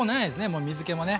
もう水けもね。